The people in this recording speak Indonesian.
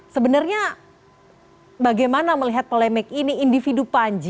sebenarnya bagaimana melihat polemik ini individu panji